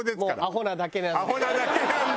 もうアホなだけなんで。